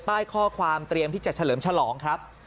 ข้อความเตรียมที่จะเฉลิมฉลองครับ